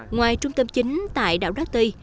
ngoài trung tâm chính tại đảo đá tây